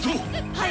はい！